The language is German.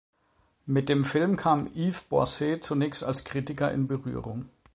Mit dem Film kam Yves Boisset zunächst als Kritiker in Berührung.